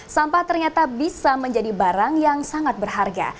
sampah ternyata bisa menjadi barang yang sangat berharga